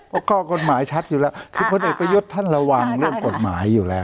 เพราะข้อกฎหมายชัดอยู่แล้วคือพลเอกประยุทธ์ท่านระวังเรื่องกฎหมายอยู่แล้ว